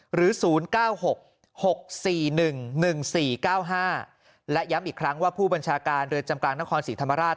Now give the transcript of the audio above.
หรือศูนย์เก้าหกหกสี่หนึ่งหนึ่งสี่เก้าห้าและย้ำอีกครั้งว่าผู้บัญชาการเรือนจำกลางนครศรีธรรมราช